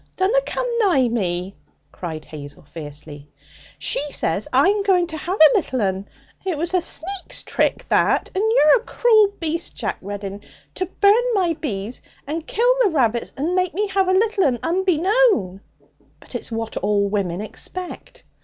'Dunna come nigh me!' cried Hazel fiercely. 'She says I'm going to have a little 'un! It was a sneak's trick, that; and you're a cruel beast, Jack Reddin, to burn my bees and kill the rabbits and make me have a little 'un unbeknown.' 'But it's what all women expect!'